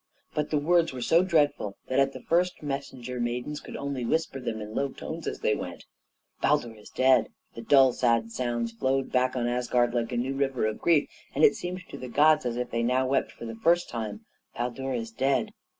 But the words were so dreadful that at first the messenger maidens could only whisper them in low tones as they went along, "Baldur is dead!" The dull, sad sounds flowed back on Asgard like a new river of grief, and it seemed to the gods as if they now wept for the first time "Baldur is dead!"